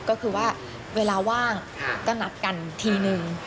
ก็คือว่าเวลาว่างก็นัดกันทีนึง